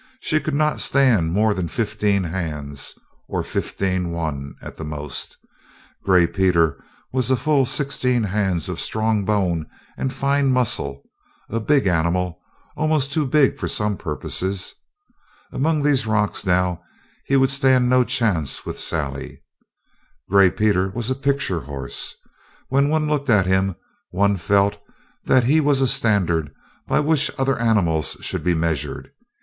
She could not stand more than fifteen hands, or fifteen one at the most. Gray Peter was a full sixteen hands of strong bone and fine muscle, a big animal almost too big for some purposes. Among these rocks, now, he would stand no chance with Sally. Gray Peter was a picture horse. When one looked at him one felt that he was a standard by which other animals should be measured.